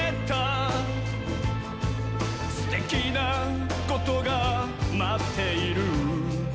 「すてきなことがまっている」